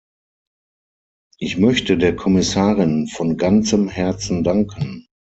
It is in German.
Ich möchte der Kommissarin von ganzem Herzen danken.